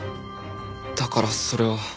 だからそれは。